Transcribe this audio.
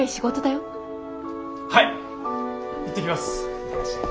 いってらっしゃい。